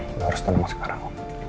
udah din ya lo harus tenang sekarang